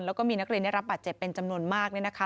แล้วก็มีนักเรียนได้รับบาดเจ็บเป็นจำนวนมากเนี่ยนะคะ